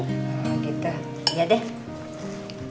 nah gitu iya deh